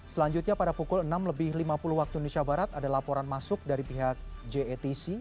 selanjutnya pada pukul enam lebih lima puluh waktu indonesia barat ada laporan masuk dari pihak jatc